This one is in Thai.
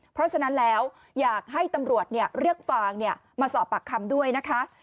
เพราะฉะนั้นแล้วอยากให้ตำรวจเรียกฟางมาสอบปากคำด้วยนะคะ